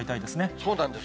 そうなんです。